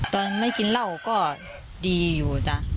ตอนไม่กินเล่าก็ดีอยู่